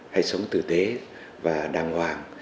hãy sống tử tế và đàng hoàng